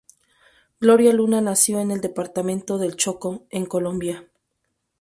Gloria Luna nació en el departamento del Chocó, en Colombia.